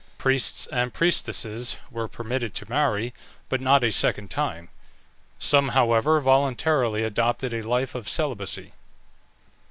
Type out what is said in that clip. Priests and priestesses were permitted to marry, but not a second time; some, however, voluntarily adopted a life of celibacy.